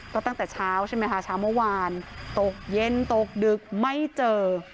ก็ตั้งแต่เช้าใช่ไหมคะเช้าเมื่อวานตกเย็นตกดึกไม่เจอ